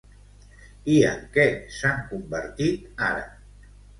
I en què s'han convertit ara?